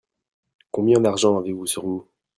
Combien d'argent avez-vous sur vous ?